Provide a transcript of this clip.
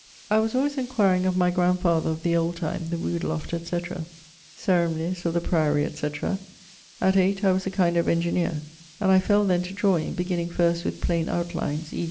I was alwayes enquiring[T] of my grandfather of the old time, the rood loft, etc., ceremonies, of the priory, etc. At 8, I was a kind of engineer; and I fell then to drawing, beginning first with plaine outlines, e.